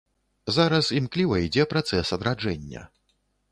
Зараз імкліва ідзе працэс адраджэння.